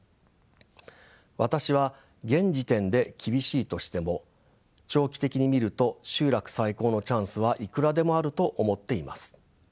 私は現時点で厳しいとしても長期的に見ると集落再興のチャンスはいくらでもあると思っています。